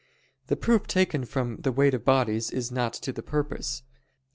The proof taken from the weight of bodies is not to the purpose.